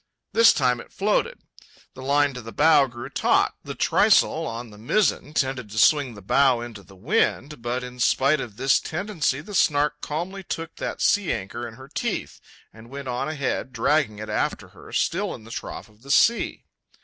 This time it floated. The line to the bow grew taut. The trysail on the mizzen tended to swing the bow into the wind, but, in spite of this tendency, the Snark calmly took that sea anchor in her teeth, and went on ahead, dragging it after her, still in the trough of the sea.